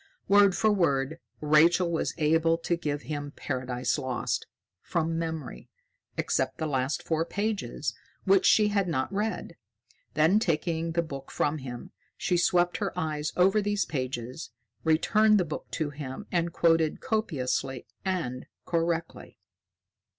Word for word, Rachael was able to give him "Paradise Lost" from memory, except the last four pages, which she had not read. Then, taking the book from him, she swept her eyes over these pages, returned the book to him, and quoted copiously and correctly.